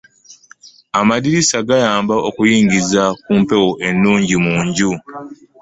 Amadirisa gayamba okuyingiza ku mpewo ennungi mu nju.